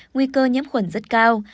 nguy cơ nhiễm khuẩn rất cao